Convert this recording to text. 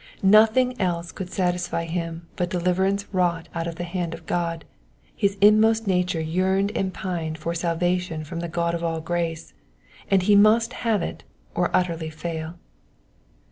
Nothing else could satisfy bim but deliverance wrought out by the hand of God, his inmost nature yearned and pined for salvation from the God of all grace, and he must have It or utterly fail.